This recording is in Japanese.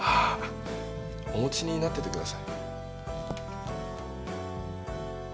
お持ちになっててください。